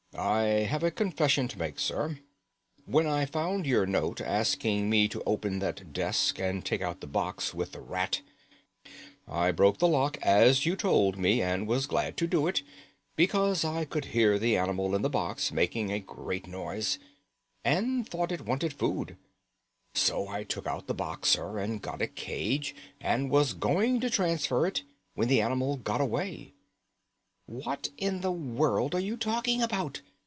I have a confession to make, sir. When I found your note asking me to open that desk and take out the box with the rat, I broke the lock as you told me, and was glad to do it, because I could hear the animal in the box making a great noise, and I thought it wanted food. So I took out the box, sir, and got a cage, and was going to transfer it, when the animal got away." "What in the world are you talking about?